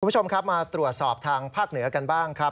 คุณผู้ชมครับมาตรวจสอบทางภาคเหนือกันบ้างครับ